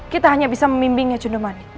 kita hanya bisa memimpingnya cundemanik